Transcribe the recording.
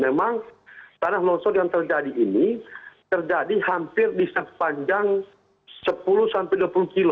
memang tanah longsor yang terjadi ini terjadi hampir di sepanjang sepuluh sampai dua puluh km